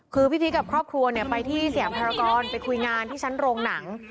คือพี่พีชกับครอบครัวไปที่สยามภารกรไปคุยงานที่ชั้นโรงหนัง